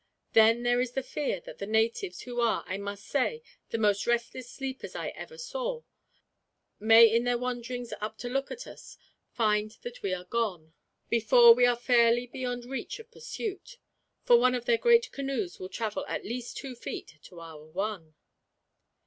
"Then there is the fear that the natives, who are, I must say, the most restless sleepers I ever saw, may in their wanderings up to look at us find that we have gone, before we are fairly beyond reach of pursuit; for one of their great canoes will travel at least two feet to our one.